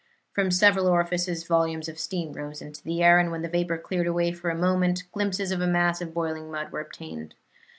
From several orifices volumes of steam rose into the air, and when the vapor cleared away for a moment glimpses of a mass of boiling mud were obtained.